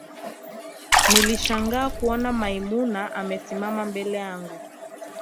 nilishangaa kuona maimuna amesimama mbele yangu